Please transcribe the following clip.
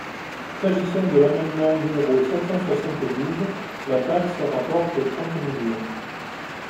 S’agissant de l’amendement numéro sept cent soixante-douze, la taxe rapporte trente millions.